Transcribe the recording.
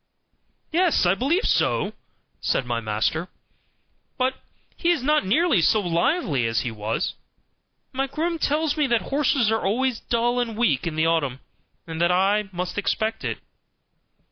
"Yes, I believe so," said my master; "but he is not nearly so lively as he was; my groom tells me that horses are always dull and weak in the autumn, and that I must expect it."